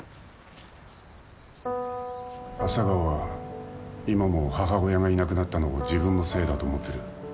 朝顔は今も母親がいなくなったのを自分のせいだと思ってる。